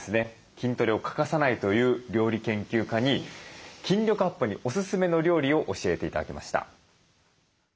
筋トレを欠かさないという料理研究家に筋力アップにおすすめの料理を教えて頂きました。